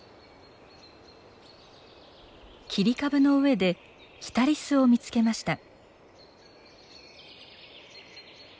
切り株の上でキタリスを見つけました。